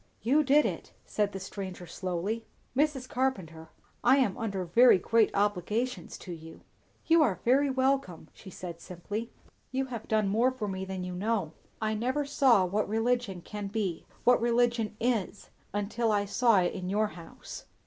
"You did it," said the stranger slowly. "Mrs. Carpenter, I am under very great obligations to you." "You are very welcome," she said simply. "You have done more for me than you know. I never saw what religion can be what religion is until I saw it in your house."